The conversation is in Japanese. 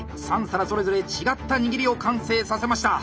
３皿それぞれ違った握りを完成させました。